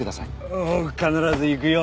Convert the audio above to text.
ああ必ず行くよ。